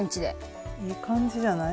いい感じじゃない？